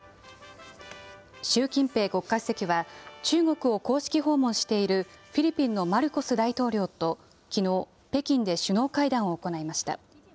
習近平国家主席は、中国を公式訪問しているフィリピンのマルコス大統領ときのう北京で首脳会談を行いました。